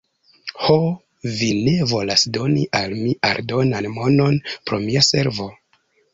Ho, vi ne volas doni al mi aldonan monon pro mia servo?